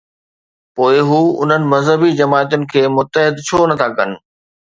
پوءِ هو انهن مذهبي جماعتن کي متحد ڇو نه ٿا ڪن؟